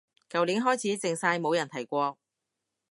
舊年開始靜晒冇人提過